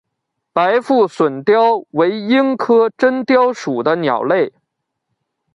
白腹隼雕为鹰科真雕属的鸟类。